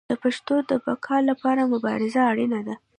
د پښتو د بقا لپاره مبارزه اړینه ده.